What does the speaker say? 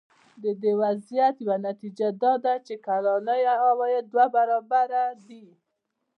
د دې وضعیت یوه نتیجه دا ده چې کلنی عاید دوه برابره دی.